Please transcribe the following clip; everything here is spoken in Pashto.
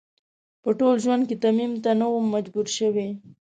په ټول ژوند کې تيمم ته نه وم مجبور شوی.